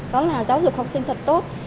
đó là giáo dục học sinh thật tốt